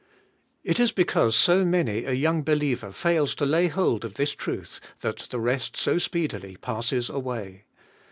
It is because so many a young believer fails to lay hold of this truth that the rest so speedily passes away.